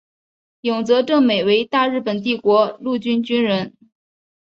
永泽正美为大日本帝国陆军军人。